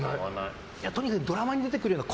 とにかくドラマに出てくるような